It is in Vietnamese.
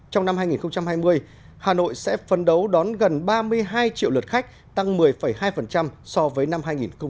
trong năm hai nghìn hai mươi hà nội sẽ phấn đấu đón gần ba mươi hai triệu lượt khách tăng một mươi hai so với năm hai nghìn một mươi chín